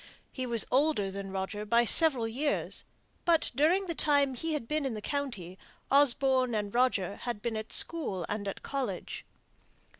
He was older than Roger by several years; but during the time he had been in the county Osborne and Roger had been at school and at college.